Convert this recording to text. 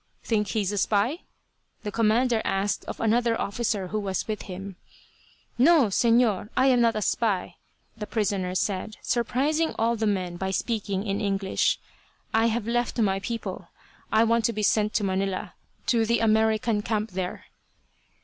"Think he's a spy?" the commander asked of another officer who was with him. "No, Señor, I am not a spy," the prisoner said, surprising all the men by speaking in English. "I have left my people, I want to be sent to Manila, to the American camp there."